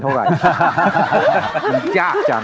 สวัสดีครับ